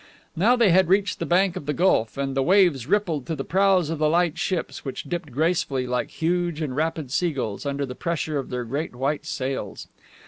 Now they had reached the bank of the Gulf, and the waves rippled to the prows of the light ships, which dipped gracefully like huge and rapid sea gulls, under the pressure of their great white sails.